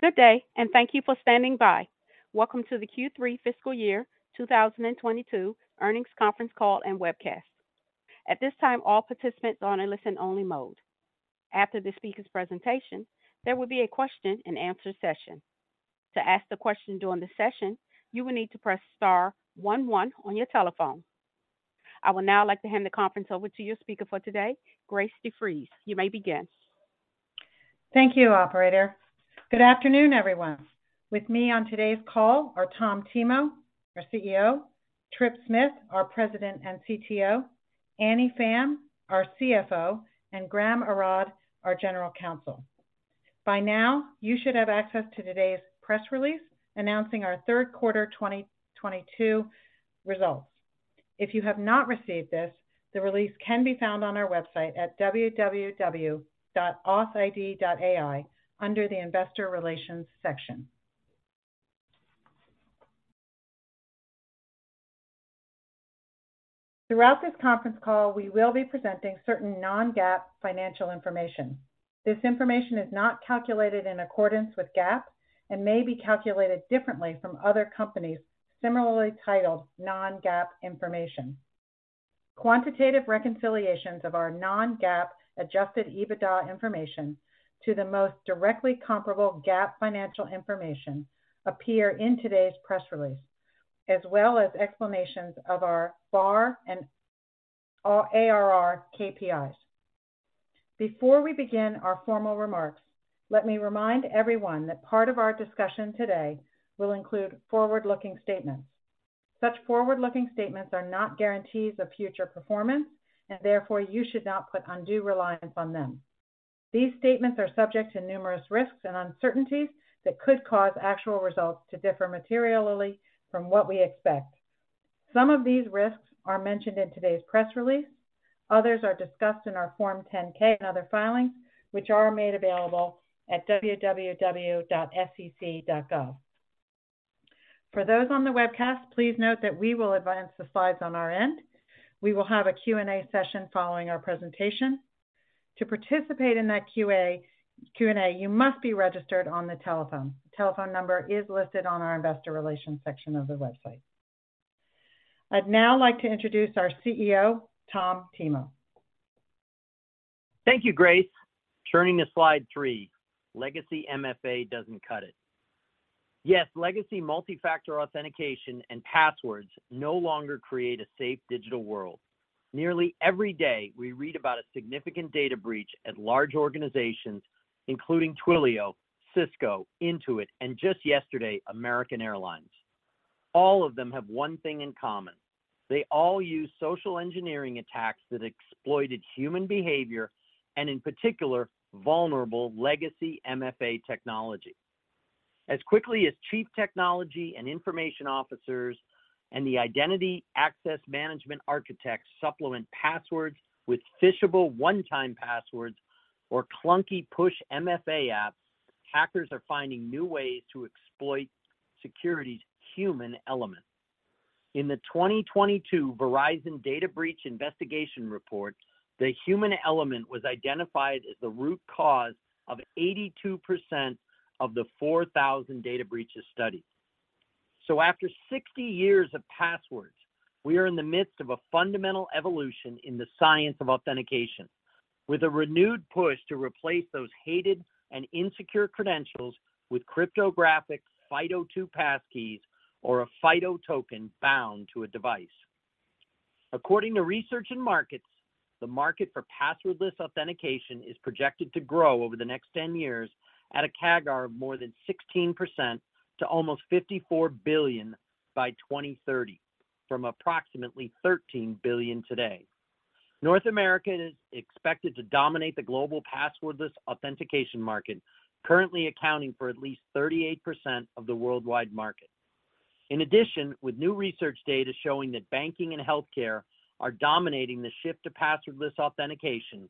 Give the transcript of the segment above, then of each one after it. Good day, thank you for standing by. Welcome to the Q3 fiscal year 2022 earnings conference call and webcast. At this time, all participants are in a listen-only mode. After the speaker's presentation, there will be a question-and-answer session. To ask the question during the session, you will need to press star one one on your telephone. I would now like to hand the conference over to your speaker for today, Grace de Fries. You may begin. Thank you, operator. Good afternoon, everyone. With me on today's call are Tom Thimot, our CEO, Tripp Smith, our President and CTO, Annie Pham, our CFO, and Graham Arad, our General Counsel. By now, you should have access to today's press release announcing our third quarter 2022 results. If you have not received this, the release can be found on our website at www.authid.ai under the Investor Relations section. Throughout this conference call, we will be presenting certain non-GAAP financial information. This information is not calculated in accordance with GAAP and may be calculated differently from other companies similarly titled non-GAAP information. Quantitative reconciliations of our non-GAAP adjusted EBITDA information to the most directly comparable GAAP financial information appear in today's press release, as well as explanations of our BAR and our ARR KPIs. Before we begin our formal remarks, let me remind everyone that part of our discussion today will include forward-looking statements. Such forward-looking statements are not guarantees of future performance, and therefore you should not put undue reliance on them. These statements are subject to numerous risks and uncertainties that could cause actual results to differ materially from what we expect. Some of these risks are mentioned in today's press release. Others are discussed in our Form 10-K and other filings, which are made available at www.sec.gov. For those on the webcast, please note that we will advance the slides on our end. We will have a Q&A session following our presentation. To participate in that Q&A, you must be registered on the telephone. The telephone number is listed on our investor relations section of the website. I'd now like to introduce our CEO, Tom Thimot. Thank you, Grace. Turning to slide three, legacy MFA doesn't cut it. Yes, legacy multi-factor authentication and passwords no longer create a safe digital world. Nearly every day, we read about a significant data breach at large organizations, including Twilio, Cisco, Intuit, and just yesterday, American Airlines. All of them have one thing in common. They all use social engineering attacks that exploited human behavior and in particular, vulnerable legacy MFA technology. As quickly as chief technology and information officers and the identity access management architects supplement passwords with phishable one-time passwords or clunky push MFA apps, hackers are finding new ways to exploit security's human element. In the 2022 Verizon data breach investigation report, the human element was identified as the root cause of 82% of the 4,000 data breaches studied. After 60 years of passwords, we are in the midst of a fundamental evolution in the science of authentication with a renewed push to replace those hated and insecure credentials with cryptographic FIDO2 pass keys or a FIDO token bound to a device. According to Research and Markets, the market for passwordless authentication is projected to grow over the next 10 years at a CAGR of more than 16% to almost $54 billion by 2030 from approximately $13 billion today. North America is expected to dominate the global passwordless authentication market, currently accounting for at least 38% of the worldwide market. In addition, with new research data showing that banking and healthcare are dominating the shift to passwordless authentication,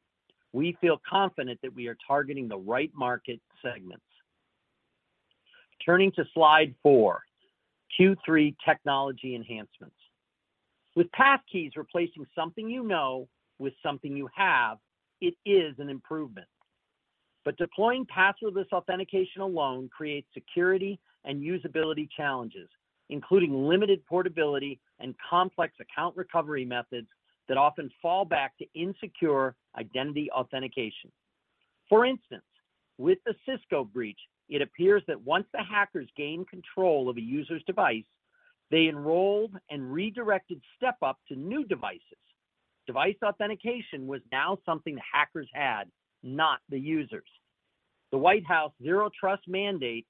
we feel confident that we are targeting the right market segments. Turning to slide four, Q3 technology enhancements. With passkeys replacing something you know with something you have, it is an improvement. Deploying passwordless authentication alone creates security and usability challenges, including limited portability and complex account recovery methods that often fall back to insecure identity authentication. For instance, with the Cisco breach, it appears that once the hackers gained control of a user's device, they enrolled and redirected step up to new devices. Device authentication was now something the hackers had, not the users. The White House Zero Trust mandate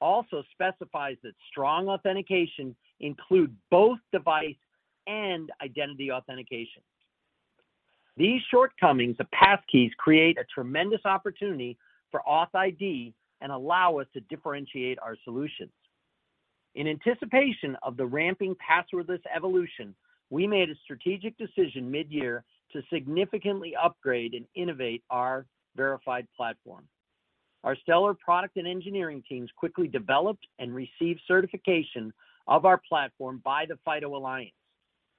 also specifies that strong authentication include both device and identity authentication. These shortcomings of passkeys create a tremendous opportunity for authID and allow us to differentiate our solutions. In anticipation of the ramping passwordless evolution, we made a strategic decision mid-year to significantly upgrade and innovate our Verified platform. Our stellar product and engineering teams quickly developed and received certification of our platform by the FIDO Alliance.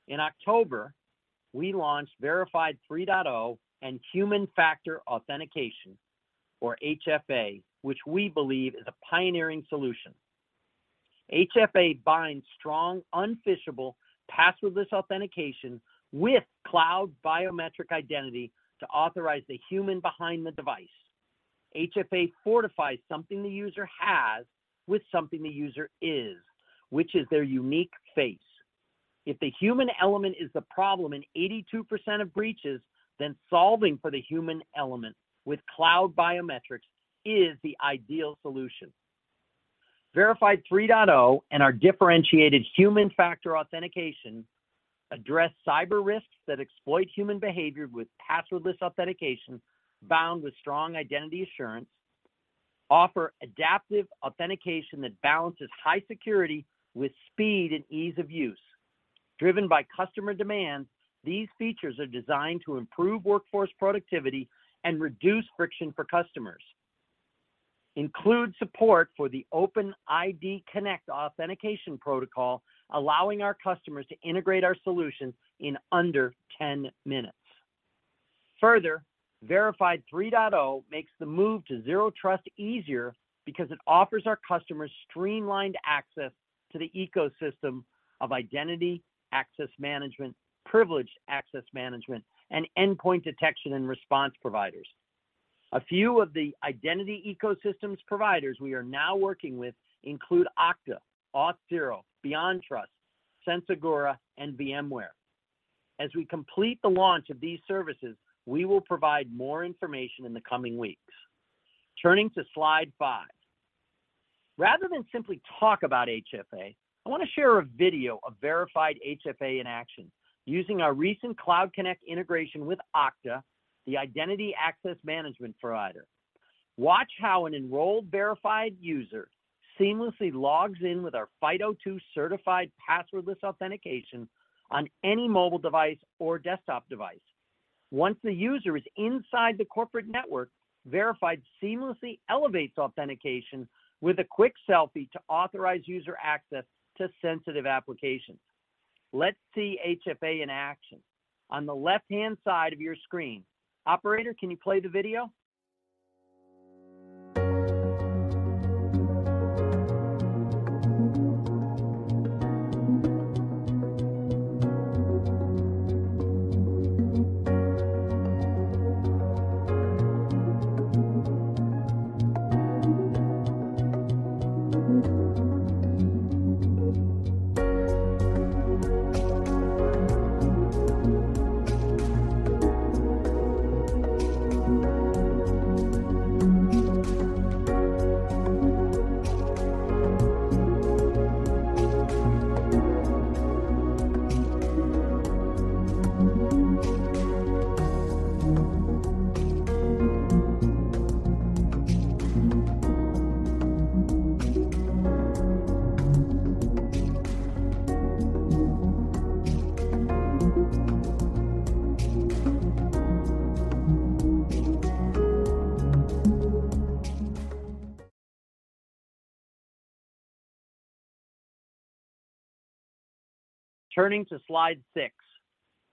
In October, we launched Verified 3.0 and Human Factor Authentication, or HFA, which we believe is a pioneering solution. HFA binds strong unphishable passwordless authentication with cloud biometric identity to authorize the human behind the device. HFA fortifies something the user has with something the user is, which is their unique face. If the human element is the problem in 82% of breaches, then solving for the human element with cloud biometrics is the ideal solution. Verified 3.0 and our differentiated Human Factor Authentication address cyber risks that exploit human behavior with passwordless authentication bound with strong identity assurance. Offer adaptive authentication that balances high security with speed and ease of use. Driven by customer demand, these features are designed to improve workforce productivity and reduce friction for customers. Include support for the OpenID Connect authentication protocol, allowing our customers to integrate our solutions in under 10 minutes. Further, Verified 3.0 makes the move to Zero Trust easier because it offers our customers streamlined access to the ecosystem of identity, access management, privileged access management, and endpoint detection and response providers. A few of the identity ecosystems providers we are now working with include Okta, Auth0, BeyondTrust, SentinelOne, and VMware. As we complete the launch of these services, we will provide more information in the coming weeks. Turning to slide five. Rather than simply talk about HFA, I want to share a video of Verified HFA in action using our recent CloudConnect integration with Okta, the identity access management provider. Watch how an enrolled Verified user seamlessly logs in with our FIDO2 certified passwordless authentication on any mobile device or desktop device. Once the user is inside the corporate network, Verified seamlessly elevates authentication with a quick selfie to authorize user access to sensitive applications. Let's see HFA in action. On the left-hand side of your screen. Operator, can you play the video? Turning to slide six.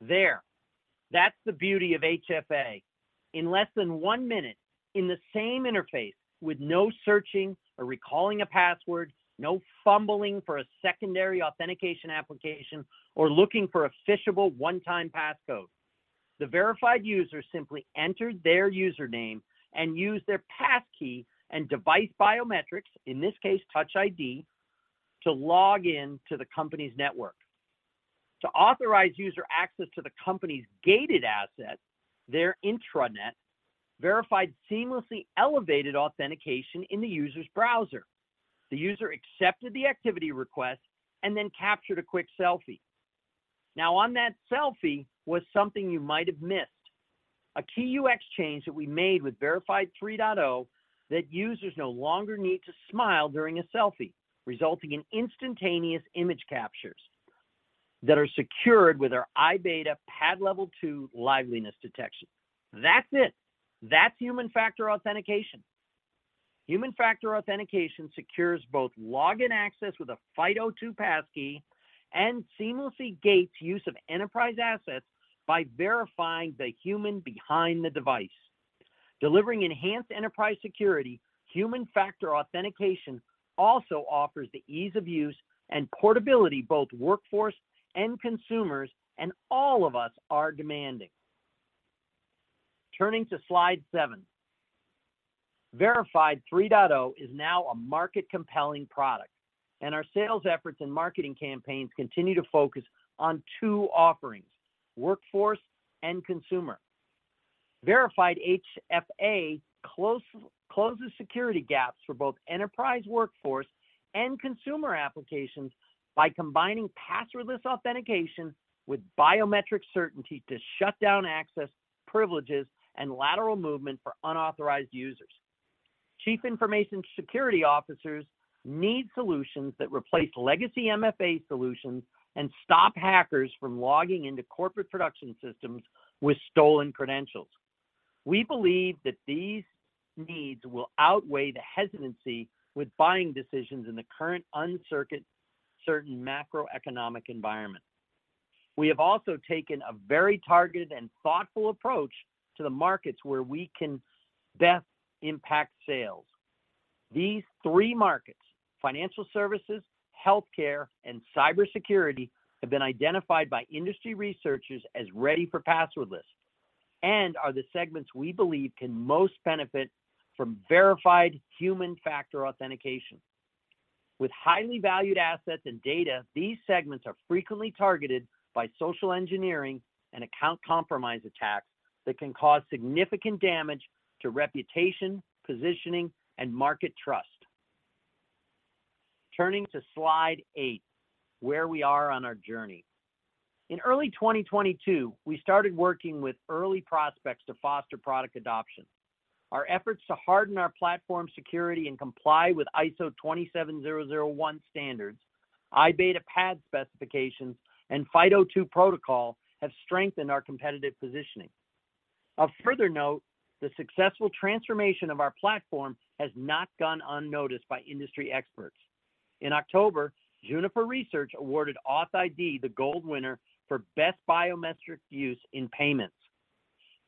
There, that's the beauty of HFA. In less than one minute, in the same interface with no searching or recalling a password, no fumbling for a secondary authentication application or looking for a phishable one-time passcode. The Verified user simply entered their username and used their passkey and device biometrics, in this case, Touch ID, to log in to the company's network. To authorize user access to the company's gated asset, their intranet, Verified seamlessly elevated authentication in the user's browser The user accepted the activity request and then captured a quick selfie. Now, on that selfie was something you might have missed. A key UX change that we made with Verified 3.0 that users no longer need to smile during a selfie, resulting in instantaneous image captures that are secured with our iBeta PAD Level 2 liveness detection. That's it. That's Human Factor Authentication. Human Factor Authentication secures both login access with a FIDO2 passkey and seamlessly gates use of enterprise assets by verifying the human behind the device. Delivering enhanced enterprise security, Human Factor Authentication also offers the ease of use and portability, both workforce and consumers, and all of us are demanding. Turning to slide seven. Verified 3.0 is now a market-compelling product, and our sales efforts and marketing campaigns continue to focus on two offerings, workforce and consumer. Verified HFA closes security gaps for both enterprise workforce and consumer applications by combining passwordless authentication with biometric certainty to shut down access privileges and lateral movement for unauthorized users. Chief information security officers need solutions that replace legacy MFA solutions and stop hackers from logging into corporate production systems with stolen credentials. We believe that these needs will outweigh the hesitancy with buying decisions in the current uncertain macroeconomic environment. We have also taken a very targeted and thoughtful approach to the markets where we can best impact sales. These three markets, financial services, healthcare, and cybersecurity, have been identified by industry researchers as ready for passwordless and are the segments we believe can most benefit from Verified Human Factor Authentication. With highly valued assets and data, these segments are frequently targeted by social engineering and account compromise attacks that can cause significant damage to reputation, positioning, and market trust. Turning to slide eight, where we are on our journey. In early 2022, we started working with early prospects to foster product adoption. Our efforts to harden our platform security and comply with ISO 27001 standards, iBeta PAD specifications, and FIDO2 protocol have strengthened our competitive positioning. Of further note, the successful transformation of our platform has not gone unnoticed by industry experts. In October, Juniper Research awarded authID the gold winner for best biometric use in payments.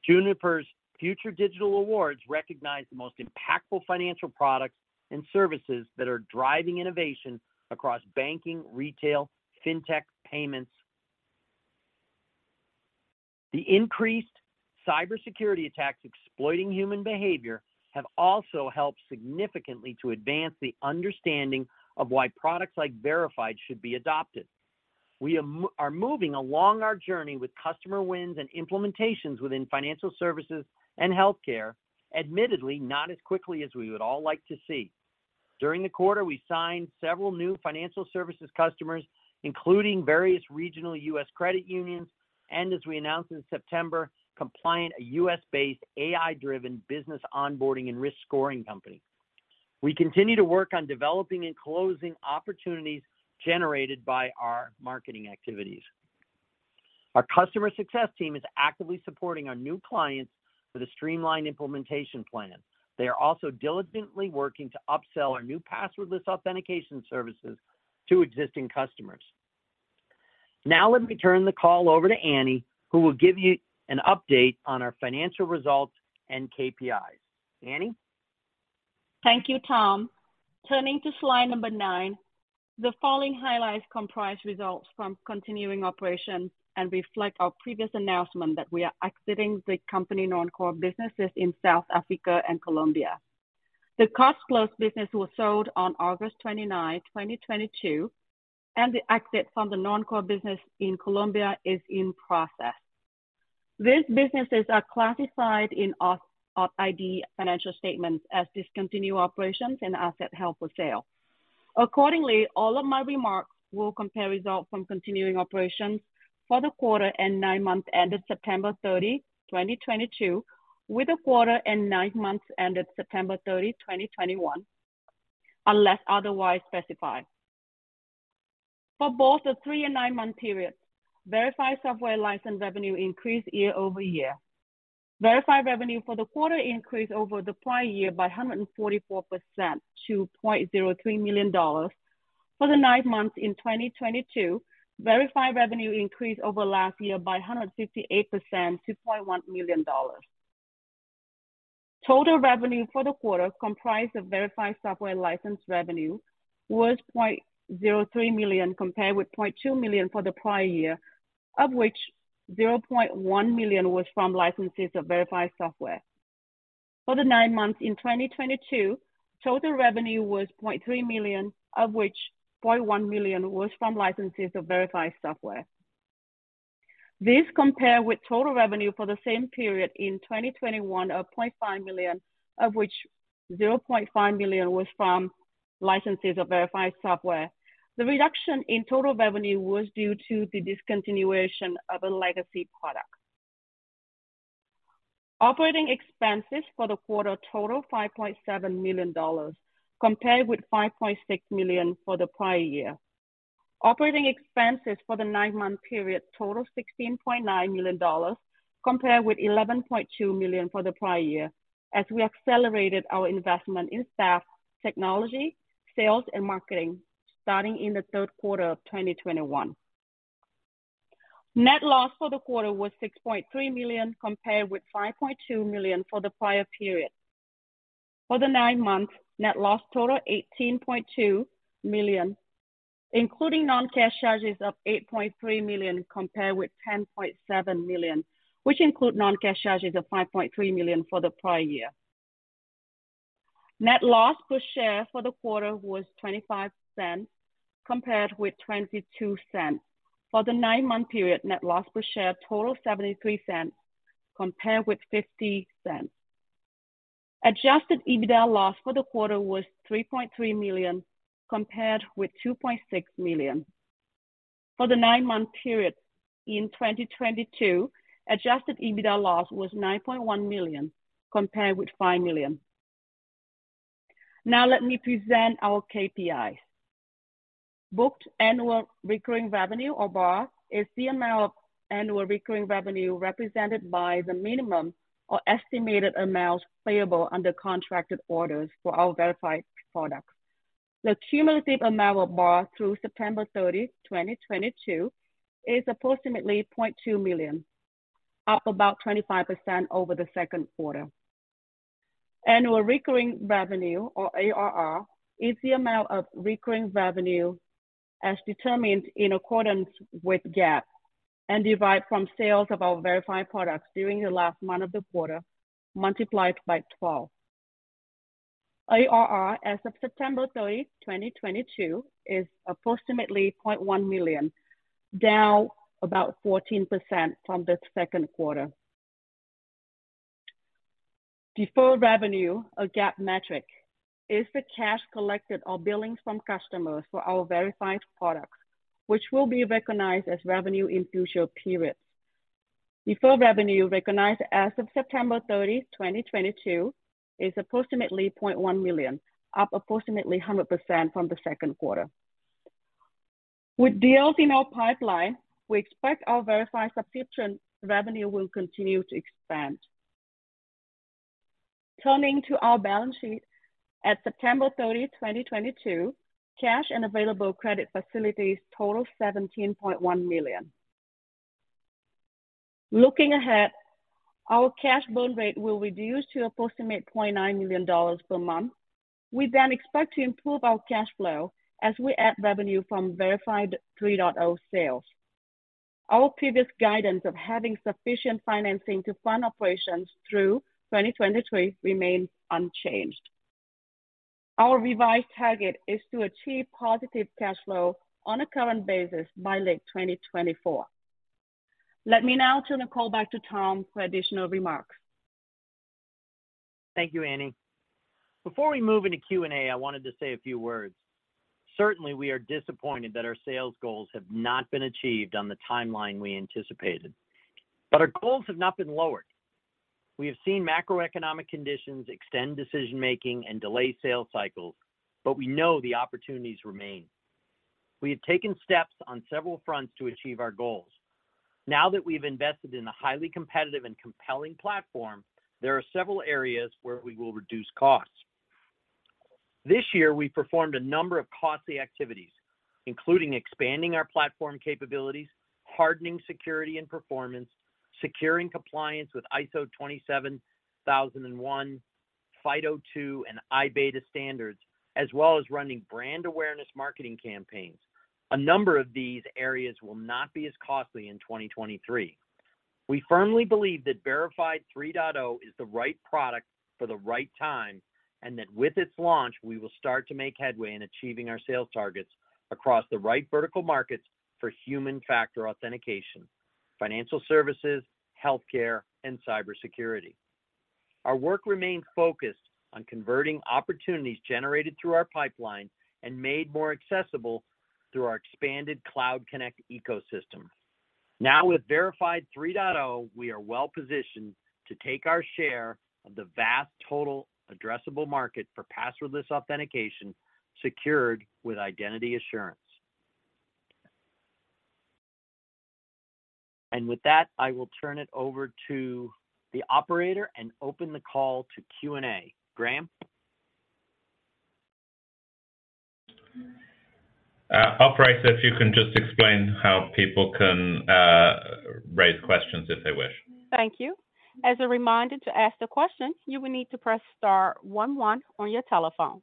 Juniper's Future Digital Awards recognize the most impactful financial products and services that are driving innovation across banking, retail, fintech, payments. The increased cybersecurity attacks exploiting human behavior have also helped significantly to advance the understanding of why products like Verified should be adopted. We are moving along our journey with customer wins and implementations within financial services and healthcare, admittedly not as quickly as we would all like to see. During the quarter, we signed several new financial services customers, including various regional U.S. credit unions and, as we announced in September, Kompliant, a U.S.-based AI-driven business onboarding and risk scoring company. We continue to work on developing and closing opportunities generated by our marketing activities. Our customer success team is actively supporting our new clients with a streamlined implementation plan. They are also diligently working to upsell our new passwordless authentication services to existing customers. Now let me turn the call over to Annie, who will give you an update on our financial results and KPIs. Annie. Thank you, Tom. Turning to slide number nine, the following highlights comprise results from continuing operations and reflect our previous announcement that we are exiting the company non-core businesses in South Africa and Colombia. The Cards Plus business was sold on August 29, 2022, and the exit from the non-core business in Colombia is in process. These businesses are classified in authID financial statements as discontinued operations and asset held for sale. Accordingly, all of my remarks will compare results from continuing operations for the quarter and nine months ended September 30, 2022, with the quarter and nine months ended September 30, 2021, unless otherwise specified. For both the three and nine month periods, Verified software license revenue increased year-over-year. Verified revenue for the quarter increased over the prior year by 144% to $0.03 million. For the nine months in 2022, Verified revenue increased over last year by 158% to $0.1 million. Total revenue for the quarter comprised of Verified software license revenue was $0.03 million compared with $0.2 million for the prior year, of which $0.1 million was from licenses of Verified software. For the nine months in 2022, total revenue was $0.3 million, of which $0.1 million was from licenses of Verified software. This compared with total revenue for the same period in 2021 of $0.5 million, of which $0.5 million was from licenses of Verified software. The reduction in total revenue was due to the discontinuation of a legacy product. Operating expenses for the quarter totaled $5.7 million compared with $5.6 million for the prior year. Operating expenses for the nine-month period totaled $16.9 million compared with $11.2 million for the prior year as we accelerated our investment in staff, technology, sales, and marketing starting in the third quarter of 2021. Net loss for the quarter was $6.3 million compared with $5.2 million for the prior period. For the nine months, net loss totaled $18.2 million, including non-cash charges of $8.3 million compared with $10.7 million, which include non-cash charges of $5.3 million for the prior year. Net loss per share for the quarter was $0.25 compared with $0.22. For the nine-month period, net loss per share totaled $0.73 compared with $0.50. Adjusted EBITDA loss for the quarter was $3.3 million compared with $2.6 million. For the nine-month period in 2022, adjusted EBITDA loss was $9.1 million compared with $5 million. Now let me present our KPIs. Booked annual recurring revenue, or BAR, is the amount of annual recurring revenue represented by the minimum or estimated amounts payable under contracted orders for our Verified products. The cumulative amount of BAR through September 30, 2022, is approximately $0.2 million, up about 25% over the second quarter. Annual recurring revenue, or ARR, is the amount of recurring revenue as determined in accordance with GAAP and derived from sales of our Verified products during the last month of the quarter multiplied by 12. ARR as of September 30, 2022, is approximately $0.1 million, down about 14% from the second quarter. Deferred revenue, a GAAP metric, is the cash collected or billings from customers for our Verified products, which will be recognized as revenue in future periods. Deferred revenue recognized as of September 30, 2022, is approximately $0.1 million, up approximately 100% from the second quarter. With deals in our pipeline, we expect our Verified subscription revenue will continue to expand. Turning to our balance sheet, at September 30, 2022, cash and available credit facilities totaled $17.1 million. Looking ahead, our cash burn rate will reduce to approximately $0.9 million per month. We then expect to improve our cash flow as we add revenue from Verified 3.0 sales. Our previous guidance of having sufficient financing to fund operations through 2023 remains unchanged. Our revised target is to achieve positive cash flow on a current basis by late 2024. Let me now turn the call back to Tom for additional remarks. Thank you, Annie. Before we move into Q&A, I wanted to say a few words. Certainly, we are disappointed that our sales goals have not been achieved on the timeline we anticipated, but our goals have not been lowered. We have seen macroeconomic conditions extend decision-making and delay sales cycles, but we know the opportunities remain. We have taken steps on several fronts to achieve our goals. Now that we've invested in a highly competitive and compelling platform, there are several areas where we will reduce costs. This year we performed a number of costly activities, including expanding our platform capabilities, hardening security and performance, securing compliance with ISO 27001, FIDO2, and iBeta standards, as well as running brand awareness marketing campaigns. A number of these areas will not be as costly in 2023. We firmly believe that Verified 3.0 is the right product for the right time, and that with its launch, we will start to make headway in achieving our sales targets across the right vertical markets for Human Factor Authentication, financial services, healthcare, and cybersecurity. Our work remains focused on converting opportunities generated through our pipeline and made more accessible through our expanded CloudConnect ecosystem. Now, with Verified 3.0, we are well-positioned to take our share of the vast total addressable market for passwordless authentication secured with identity assurance. With that, I will turn it over to the operator and open the call to Q&A. Graham? Operator, if you can just explain how people can raise questions if they wish. Thank you. As a reminder to ask the question, you will need to press star one one on your telephone.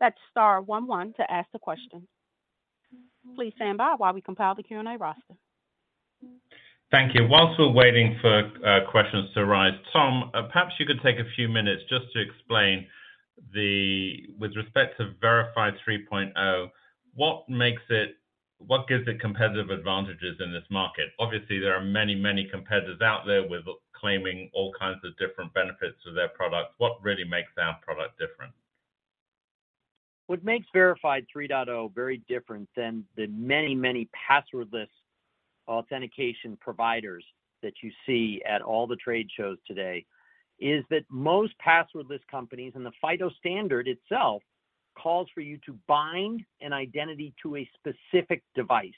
That's star one one to ask the question. Please stand by while we compile the Q&A roster. Thank you. While we're waiting for questions to arrive, Tom, perhaps you could take a few minutes just to explain with respect to Verified 3.0 what gives it competitive advantages in this market. Obviously, there are many, many competitors out there claiming all kinds of different benefits to their products. What really makes our product different? What makes Verified 3.0 very different than the many, many passwordless authentication providers that you see at all the trade shows today, is that most passwordless companies and the FIDO standard itself calls for you to bind an identity to a specific device.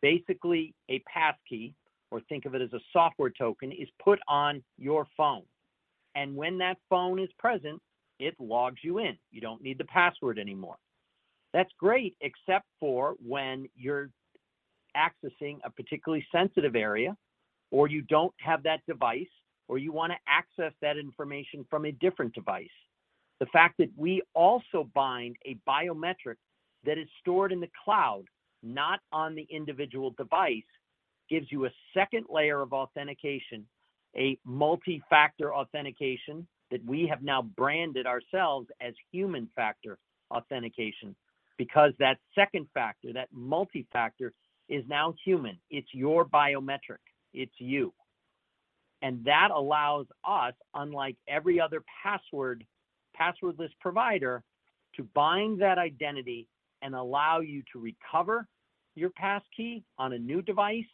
Basically, a pass key, or think of it as a software token, is put on your phone. When that phone is present, it logs you in. You don't need the password anymore. That's great, except for when you're accessing a particularly sensitive area, or you don't have that device, or you wanna access that information from a different device. The fact that we also bind a biometric that is stored in the cloud, not on the individual device, gives you a second layer of authentication, a multi-factor authentication that we have now branded ourselves as Human Factor Authentication, because that second factor, that multi-factor is now human. It's your biometric, it's you. That allows us, unlike every other passwordless provider, to bind that identity and allow you to recover your passkey on a new device.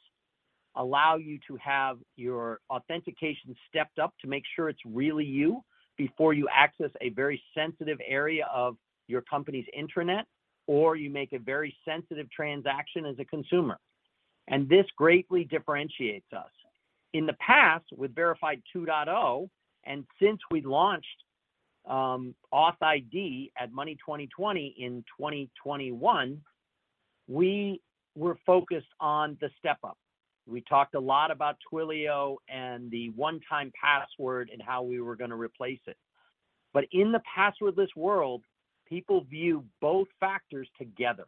Allow you to have your authentication stepped up to make sure it's really you before you access a very sensitive area of your company's intranet, or you make a very sensitive transaction as a consumer. This greatly differentiates us. In the past, with Verified 2.0, and since we launched, authID at Money 20/20 in 2021, we were focused on the step-up. We talked a lot about Twilio and the one-time password and how we were gonna replace it. In the passwordless world, people view both factors together,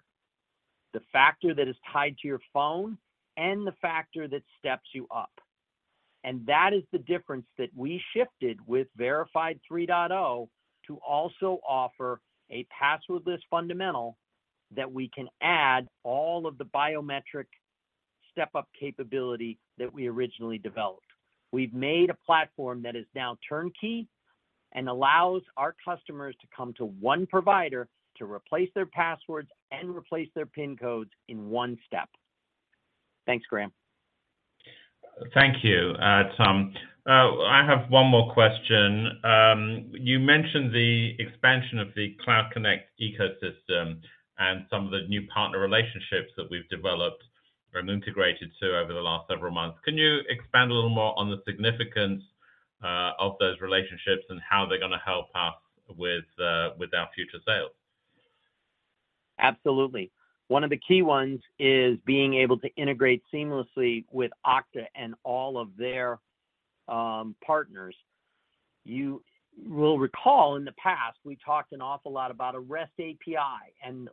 the factor that is tied to your phone and the factor that steps you up. That is the difference that we shifted with Verified 3.0 to also offer a passwordless fundamental that we can add all of the biometric step-up capability that we originally developed. We've made a platform that is now turnkey and allows our customers to come to one provider to replace their passwords and replace their PIN codes in one step. Thanks, Graham. Thank you, Tom. I have one more question. You mentioned the expansion of the CloudConnect ecosystem and some of the new partner relationships that we've developed and integrated to over the last several months. Can you expand a little more on the significance of those relationships and how they're gonna help us with our future sales? Absolutely. One of the key ones is being able to integrate seamlessly with Okta and all of their partners. You will recall in the past, we talked an awful lot about a REST API and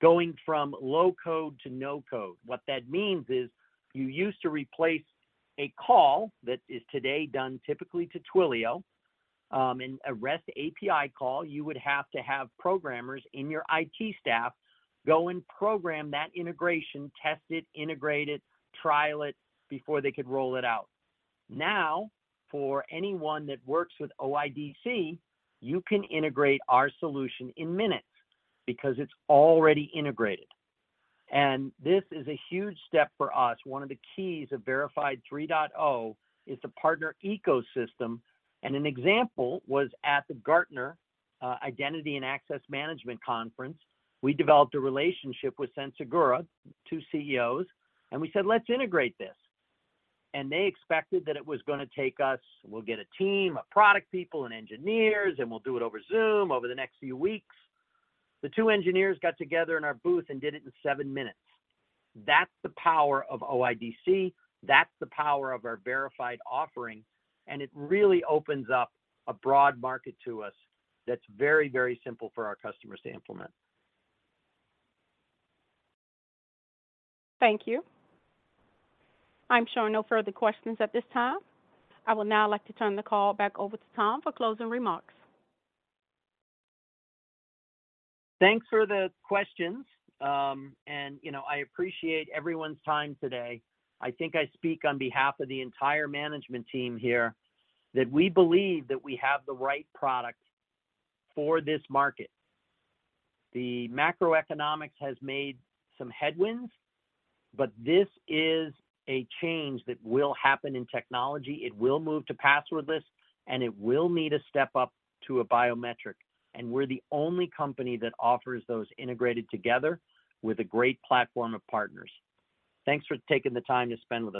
going from low code to no code. What that means is you used to replace a call that is today done typically to Twilio and a REST API call, you would have to have programmers in your IT staff go and program that integration, test it, integrate it, trial it before they could roll it out. Now, for anyone that works with OIDC, you can integrate our solution in minutes because it's already integrated. This is a huge step for us. One of the keys of Verified 3.0 is the partner ecosystem. An example was at the Gartner Identity and Access Management Conference, we developed a relationship with Senhasegura, two CEOs, and we said, "Let's integrate this." They expected that it was gonna take us. We'll get a team of product people and engineers, and we'll do it over Zoom over the next few weeks. The two engineers got together in our booth and did it in seven minutes. That's the power of OIDC. That's the power of our Verified offering, and it really opens up a broad market to us that's very, very simple for our customers to implement. Thank you. I'm showing no further questions at this time. I would now like to turn the call back over to Tom for closing remarks. Thanks for the questions. You know, I appreciate everyone's time today. I think I speak on behalf of the entire management team here that we believe that we have the right product for this market. The macroeconomics has made some headwinds, but this is a change that will happen in technology. It will move to passwordless, and it will need a step up to a biometric. We're the only company that offers those integrated together with a great platform of partners. Thanks for taking the time to spend with us today.